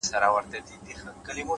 د سهار هوا د بدن حرکت اسانه کوي؛